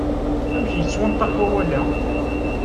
Amek yettwanṭaq wawal-a?